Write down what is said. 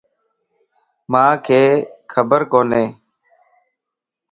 مانک خبر ڪوني